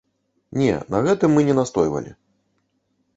Не, на гэтым мы не настойвалі.